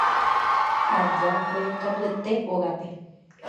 aja mbeguekatuete ógape